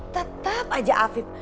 tetap aja afif